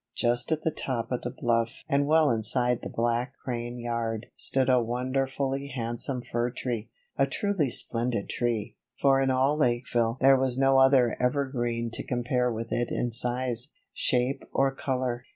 Just at the top of the bluff and well inside the Black Crane yard stood a wonderfully handsome fir tree, a truly splendid tree, for in all Lakeville there was no other evergreen to compare with it in size, shape or color.